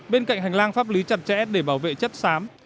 bên cạnh hành lang pháp lý chặt chẽ để bảo vệ chất xám